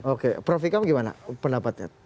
oke prof ikam gimana pendapatnya